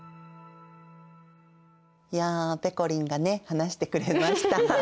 いやぺこりんがね話してくれました。